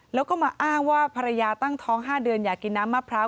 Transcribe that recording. แล้วก็มาอ้างว่าภรรยาตั้งท้อง๕เดือนอยากกินน้ำมะพร้าว